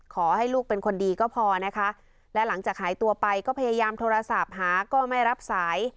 ขอให้ลูกเป็นคนดีก็พอนะคะและหลังจากหายตัวไปก็พยายามโทรศัพท์หาก็ไม่รับสาย